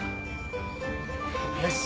よし。